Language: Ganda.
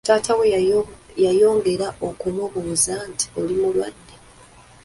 Taata we yayongera okumubuuza nti, “Oli mulwadde?”